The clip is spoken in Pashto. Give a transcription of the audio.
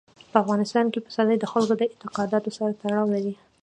په افغانستان کې پسرلی د خلکو د اعتقاداتو سره تړاو لري.